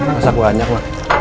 masak banyak ma